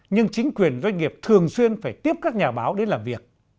nhưng chính quyền doanh nghiệp thường xuyên phải tiếp các nhà báo đến làm việc